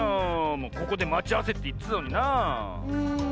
ここでまちあわせっていってたのになあ。